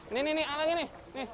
nih nih nih alangnya nih